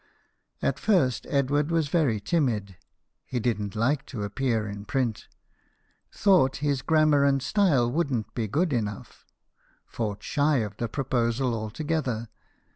At first Edward was very timid ; he didn't like to appear in print ; thought his grammar and style wouldn't be good enough ; fought shy of the proposal alto gether.